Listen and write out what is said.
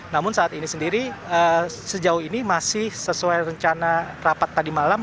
namun saat ini sendiri sejauh ini masih sesuai rencana rapat tadi malam